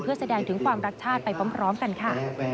เพื่อแสดงถึงความรักชาติไปพร้อมกันค่ะ